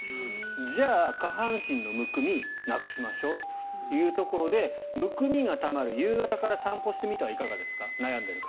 じゃあ、下半身のむくみなくしましょうというところでむくみがたまる夕方から散歩してみてはいかがですか悩んでいる方。